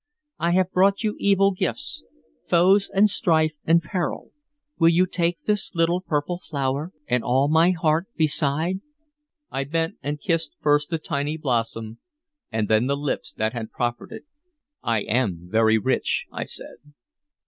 "I have brought you evil gifts, foes and strife and peril. Will you take this little purple flower and all my heart beside?" I bent and kissed first the tiny blossom, and then the lips that had proffered it. "I am very rich," I said.